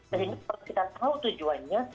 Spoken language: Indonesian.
dan ini kita tahu tujuannya